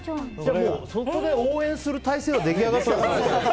そこで応援する態勢は出来上がってたんだ。